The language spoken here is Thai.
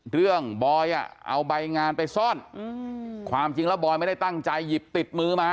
บอยอ่ะเอาใบงานไปซ่อนความจริงแล้วบอยไม่ได้ตั้งใจหยิบติดมือมา